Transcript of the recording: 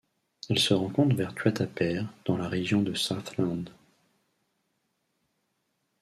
Elle se rencontre vers Tuatapere dans la région de Southland.